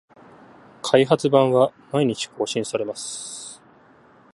開発版は毎日更新されます